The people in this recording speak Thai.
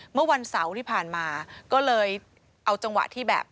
เมื่อวันเสาร์ที่ผ่านมาก็เลยเอาจังหวะที่แบบ